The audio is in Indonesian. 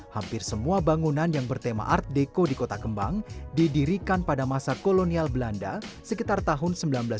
hampir semua bangunan yang bertema art deco di kota kembang didirikan pada masa kolonial belanda sekitar tahun seribu sembilan ratus dua puluh seribu sembilan ratus empat puluh